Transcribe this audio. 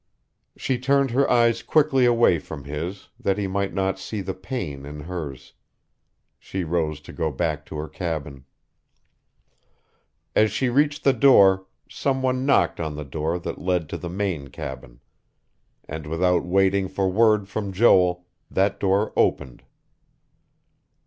She turned her eyes quickly away from his, that he might not see the pain in hers.... She rose to go back to her cabin.... As she reached the door, some one knocked on the door that led to the main cabin; and without waiting for word from Joel, that door opened.